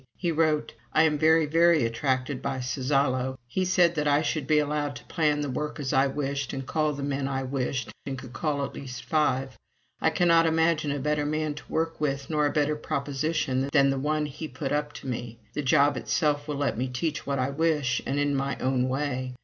He wrote: "I am very, very attracted by Suzzallo. ... He said that I should be allowed to plan the work as I wished and call the men I wished, and could call at least five. I cannot imagine a better man to work with nor a better proposition than the one he put up to me. ... The job itself will let me teach what I wish and in my own way.